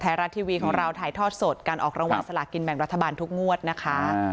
ไทยรัฐทีวีของเราถ่ายทอดสดการออกรางวัลสลากินแบ่งรัฐบาลทุกงวดนะคะ